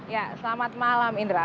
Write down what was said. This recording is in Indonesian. ya selamat malam indra